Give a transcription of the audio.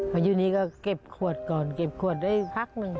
พออยู่นี้ก็เก็บขวดก่อนเก็บขวดได้พักหนึ่ง